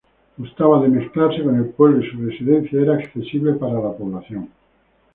Gustaba de mezclarse con el pueblo y su residencia era accesible para la población.